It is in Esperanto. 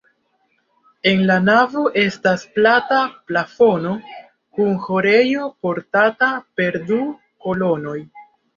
En la navo estas plata plafono kun ĥorejo portata per du kolonoj.